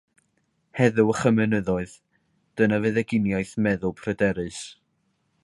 Heddwch y mynyddoedd, dyna feddyginiaeth meddwl pryderus.